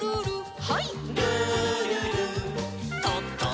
はい。